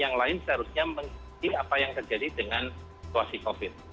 yang lain seharusnya mengikuti apa yang terjadi dengan situasi covid